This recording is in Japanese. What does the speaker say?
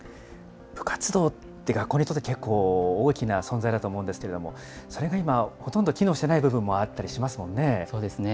部活動って学校にとって結構大きな存在だと思うんですけれども、それが今、ほとんど機能していない部分もあったりしますもんそうですね。